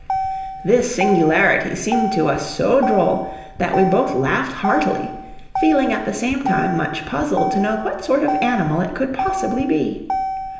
This singularity seemed to us so droll that we both laughed heartily, feeling at the same time much puzzled to know what sort of animal it could possibly be.